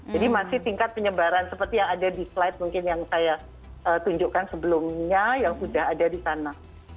jadi masih tingkat penyebaran seperti yang ada di slide mungkin yang saya tunjukkan sebelumnya yang sudah ada di sana